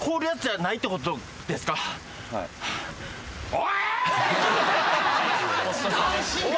おい！